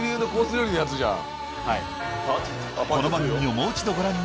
料理のやつじゃん